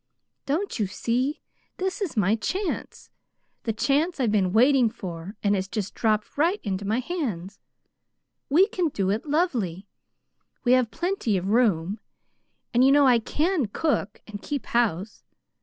"Don't you see? This is my chance, the chance I've been waiting for; and it's just dropped right into my hands. We can do it lovely. We have plenty of room, and you know I CAN cook and keep house.